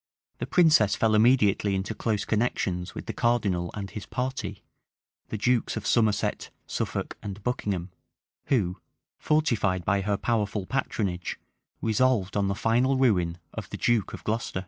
[] The princess fell immediately into close connections with the cardinal and his party, the dukes of Somerset, Suffolk, and Buckingham;[] who, fortified by her powerful patronage, resolved on the final ruin of the duke of Glocester.